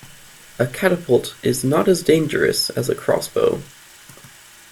A catapult is not as dangerous as a crossbow